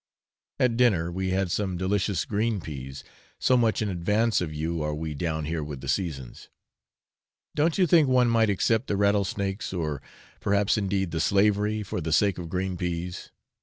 At dinner we had some delicious green peas, so much in advance of you are we down here with the seasons. Don't you think one might accept the rattlesnakes, or perhaps indeed the slavery, for the sake of the green peas?